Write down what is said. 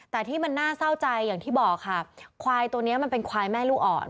แต่ที่มันน่าเศร้าใจอย่างที่บอกค่ะควายตัวนี้มันเป็นควายแม่ลูกอ่อน